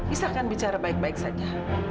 isahkan bicara baik baik saja